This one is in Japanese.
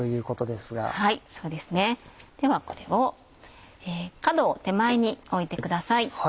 ではこれを角を手前に置いてください。